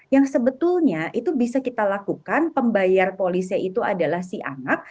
yang sebetulnya itu bisa kita lakukan pembayar polisnya itu adalah si anak